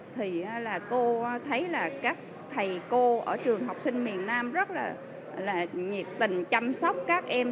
thì là cô thấy là các thầy cô ở trường học sinh miền nam rất là nhiệt tình chăm sóc các em